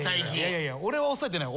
いやいや俺は抑えてない。